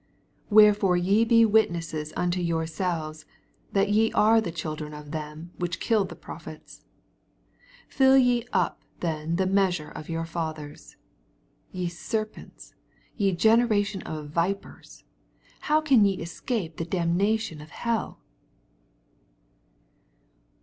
81 Wherefore ye be witnesses unto yourselves, that ye are the children of them which killed the prophets. 82 Fill ye up then the measure of your fathers. 83 Ye serpents, ye generation of vipers, how can ye escape the dam nation of hell?